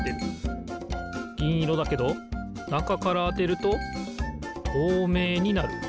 ぎんいろだけどなかからあてるととうめいになる。